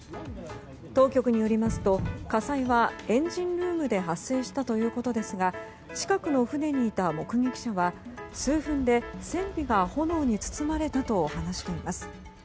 当局によりますと火災はエンジンルームで発生したということですが近くの船にいた目撃者は数分で船尾が炎に包まれたと話しています。